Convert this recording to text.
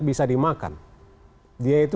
bisa dimakan dia itu